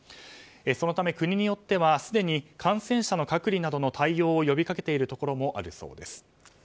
そのため国によってはすでに感染者の隔離などの対応を呼びかけているところもあるそうです。